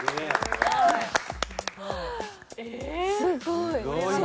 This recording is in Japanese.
すごい。